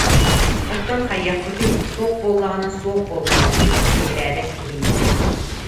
Оттон хайыахпытый, суох буоллаҕына суох буоллаҕа дии, сөбүлээбэт киһини